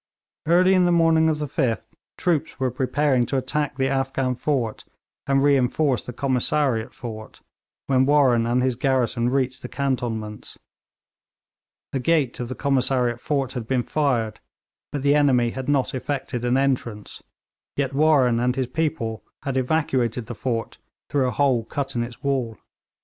Early in the morning of the 5th troops were preparing to attack the Afghan fort and reinforce the Commissariat fort, when Warren and his garrison reached the cantonments. The gate of the Commissariat fort had been fired, but the enemy had not effected an entrance, yet Warren and his people had evacuated the fort through a hole cut in its wall.